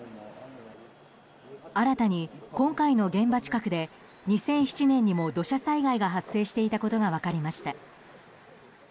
新たに今回の現場近くで２００７年にも土砂災害が発生していたことが分かりました。